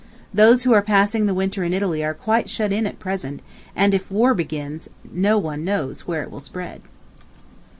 Those who are passing the winter in Italy are quite shut in at present, and if war begins, no one knows where it will spread.